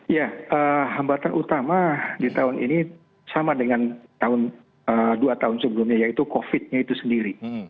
ya hambatan utama di tahun ini sama dengan tahun dua tahun sebelumnya yaitu covid nya itu sendiri